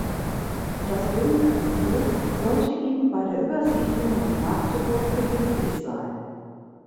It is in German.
Das Domkapitel sollte ihm bei der Übersiedlung nach Magdeburg behilflich sein.